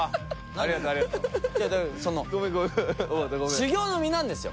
修行の身なんですよ。